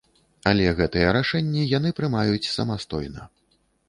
Але гэтыя рашэнні яны прымаюць самастойна.